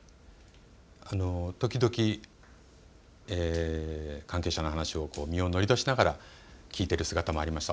時々、関係者の話を身を乗り出しながら聞いている姿もありました。